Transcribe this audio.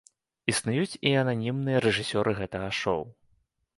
Існуюць і ананімныя рэжысёры гэтага шоў.